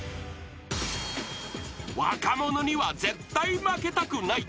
［若者には絶対負けたくない］